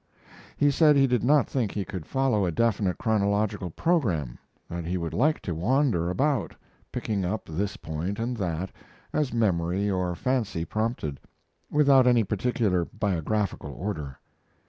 He said he did not think he could follow a definite chronological program; that he would like to wander about, picking up this point and that, as memory or fancy prompted, without any particular biographical order.